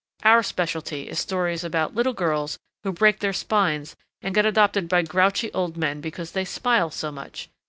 Our specialty is stories about little girls who break their spines and get adopted by grouchy old men because they smile so much.